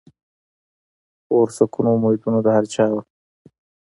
خپور سکون و امیدونه د هر چا وه